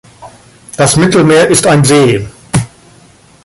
Das Mittelmeer ist ein See.